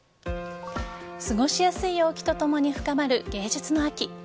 過ごしやすい陽気とともに深まる芸術の秋。